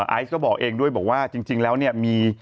ไอซ์ก็บอกเองด้วยบอกว่าจริงแล้วเนี่ยมี